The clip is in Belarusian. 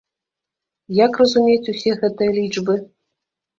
Як разумець усе гэтыя лічбы?